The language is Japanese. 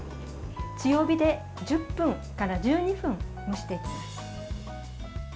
強火で１０分から１２分蒸していきます。